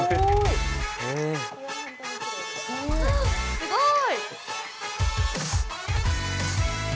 すごい。